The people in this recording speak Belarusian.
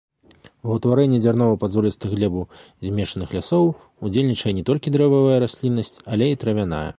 Ва ўтварэнні дзярнова-падзолістых глебаў змешаных лясоў удзельнічае не толькі дрэвавая расліннасць, але і травяная.